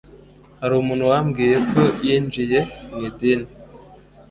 Hari umuntu wambwiye ko yinjiye mu idini.